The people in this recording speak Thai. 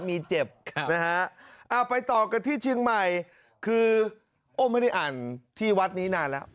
มีเจ็บนะฮะเอาไปต่อกันที่เชียงใหม่คือโอ้ไม่ได้อ่านที่วัดนี้นานแล้ว